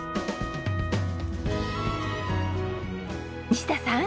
西田さん！